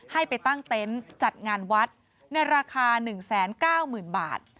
ให้ไปตั้งเต็นต์จัดงานวัดในราคา๑๙๐๐๐บาท